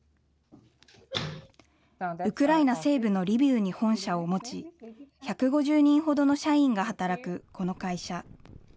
ウクライナ西部のリビウに本社を持ち、１５０人ほどの社員が働くこの会社。